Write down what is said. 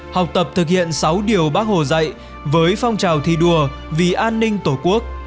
học tập thực hiện sáu điều bác hồ dạy với phong trào thi đua vì an ninh tổ quốc